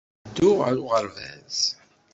Ttedduɣ ɣer uɣerbaz.